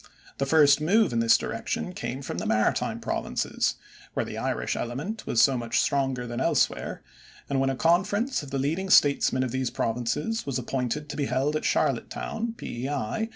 The first move in this direction came from the Maritime Provinces, where the Irish element was so much stronger than elsewhere, and when a conference of the leading statesmen of these Provinces was appointed to be held at Charlottetown, P.E.I.